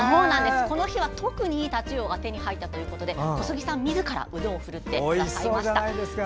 この日は特にいいタチウオが手に入ったということで小杉さんみずから腕を振るってくださいました。